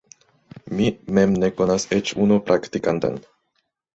Mi mem ne konas eĉ unu praktikantan.